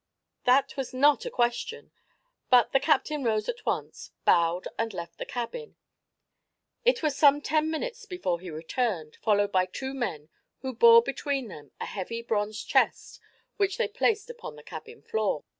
That was not a question, but the captain rose at once, bowed and left the cabin. It was some ten minutes before he returned, followed by two men who bore between them a heavy bronze chest which they placed upon the cabin floor.